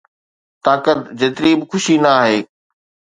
طاقت 'جيتري به خوشي نه آهي